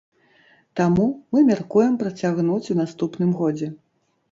Таму мы мяркуем працягнуць у наступным годзе.